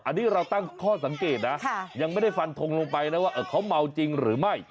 อันนี้เราตั้งข้อสังเกตนะยังไม่ได้ฟันทงลงไปนะว่าเขาเมาจริงหรือไม่